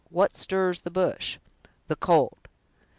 what stirs the bush?" "The colt."